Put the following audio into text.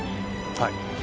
はい。